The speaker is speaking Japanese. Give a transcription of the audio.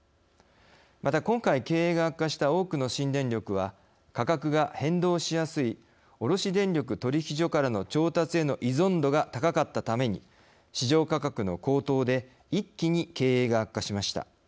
また、今回経営が悪化した多くの新電力は価格が変動しやすい卸電力取り引きからの調達への依存度が高かったために市場価格の高騰で一気に経営が悪化しました。